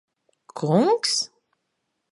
Kungs?